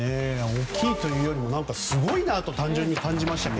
大きいというよりすごいなと単純に感じましたね。